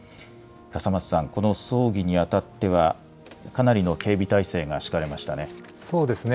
笠松さん、この葬儀にあたっては、かなりの警備態勢が敷かれましたね。